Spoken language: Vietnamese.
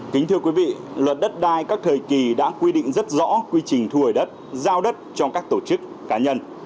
kính thưa quý vị luật đất đai các thời kỳ đã quy định rất rõ quy trình thu hồi đất giao đất cho các tổ chức cá nhân